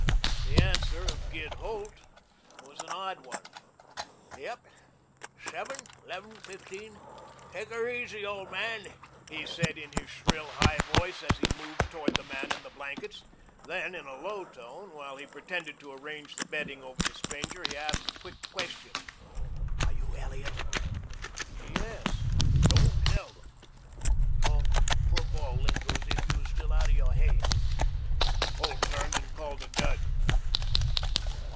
The answer of Gid Holt was an odd one. "Yep. Seven eleven fifteen. Take 'er easy, old man," he said in his shrill, high voice as he moved toward the man in the blankets. Then, in a low tone, while he pretended to arrange the bedding over the stranger, he asked a quick question. "Are you Elliot?" "Yes." "Don't tell them. Talk football lingo as if you was still out of your haid." Holt turned and called to Dud.